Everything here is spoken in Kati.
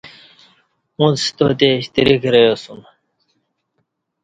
اݩڅ تاتے شتری کریاسُوم